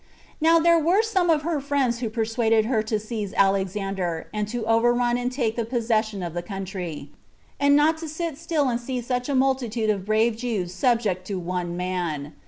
Now there were some of her friends who persuaded her to seize Alexander, and to overrun and take possession of the country, and not to sit still and see such a multitude of brave Jews subject to one man.